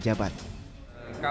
bagi penguang pejabat